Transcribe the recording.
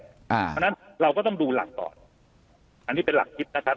เพราะฉะนั้นเราก็ต้องดูหลักก่อนอันนี้เป็นหลักคิดนะครับ